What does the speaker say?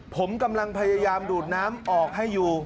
ผมกำลังพยายามดูดน้ำออกให้อยู่